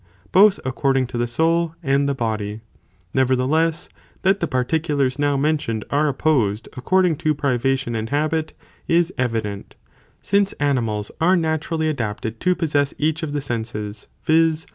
both according to the soul and the body. Nevertheless, that the particulars now mentioned, are opposed according to privation and habit, is evident, since animals are naturally adapted to possess each of the senses, viz.